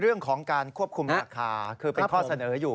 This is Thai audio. เรื่องของการควบคุมราคาคือเป็นข้อเสนออยู่